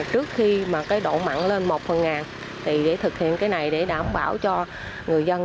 trước khi độ mặn lên một phần ngàn để thực hiện cái này để đảm bảo cho người dân